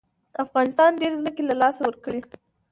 افغانستان ډېرې ځمکې له لاسه ورکړې.